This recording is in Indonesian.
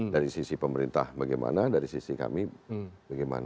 dari sisi pemerintah bagaimana dari sisi kami bagaimana